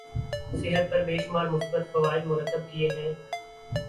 صحت پر بے شمار مثبت فوائد مرتب کیے ہیں